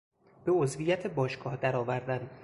به عضویت باشگاه درآوردن